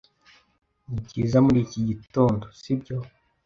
Nibyiza muri iki gitondo, sibyo?